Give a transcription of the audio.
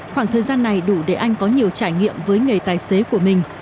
khoảng thời gian này đủ để anh có nhiều trải nghiệm với nghề tài xế của mình